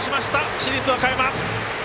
市立和歌山。